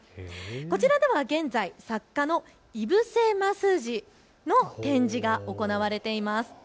こちらでは現在、作家の井伏鱒二の展示が行われています。